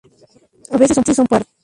A veces son pardas.